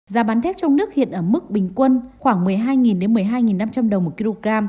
giá bán thép trong nước hiện ở mức bình quân khoảng một mươi hai một mươi hai năm trăm linh đồng một kg